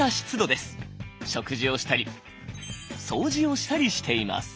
食事をしたり掃除をしたりしています。